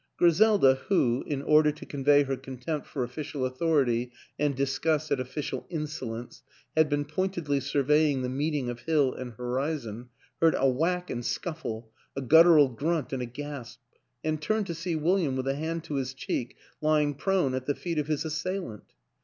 Griselda, who in order to convey her contempt for of ficial authority and disgust at official insolence had been pointedly surveying the meeting of hill and horizon, heard a whack and scuffle, a gut tural grunt and a gasp; and turned to see Wil liam, with a hand to his cheek, lying prone at the feet of his assailant.